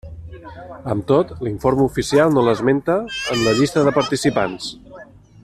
Amb tot, l'Informe Oficial no l'esmenta en la llista de participants.